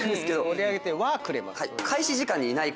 「盛り上げてはくれます」